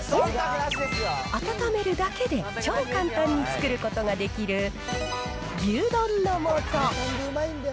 温めるだけで超簡単に作ることができる牛丼の素。